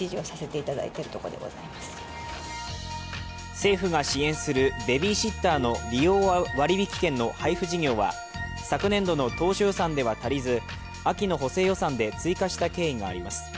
政府が支援するベビーシッターの利用割引券の配布事業は昨年度の当初予算では足りず、秋の補正予算で追加した経緯があります。